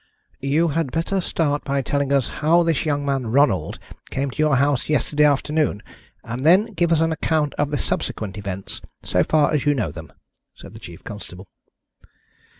"You had better start by telling us how this young man Ronald came to your house yesterday afternoon, and then give us an account of the subsequent events, so far as you know them," said the chief constable.